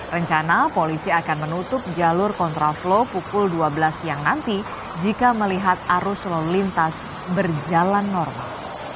rencana polisi akan menutup jalur kontraflow pukul dua belas siang nanti jika melihat arus lalu lintas berjalan normal